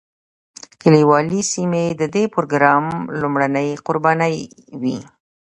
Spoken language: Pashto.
کلیوالي سیمې د دې پروګرام لومړنۍ قربانۍ وې.